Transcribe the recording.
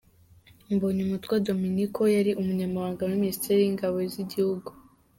Mbonyumutwa Dominiko yari umunyamabanga muri minisiteri y’ingabo z’igihugu.